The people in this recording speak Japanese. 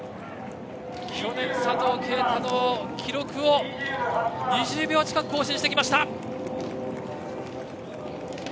去年の佐藤圭汰の記録を２０秒近く更新してきました。